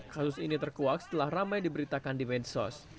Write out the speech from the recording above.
kasus ini terkuak setelah ramai diberitakan di mensos